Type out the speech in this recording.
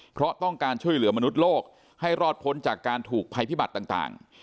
เพราะต้องการช่วยเหลือมนุษย์โลกให้รอดพ้นจากการถูกภัยพิบัติต่าง